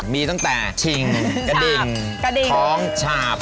มีตั้งแต่ชิงกระดิ่งคล้องชาบ